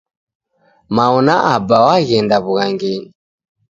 Mao na Aba w'aghenda w'ughangenyi.